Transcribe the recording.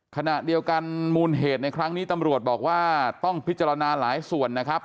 ขณะเดียวกันมูลเหตุในครั้งนี้ตำรวจบอกว่าต้องพิจารณาหลายส่วนนะครับ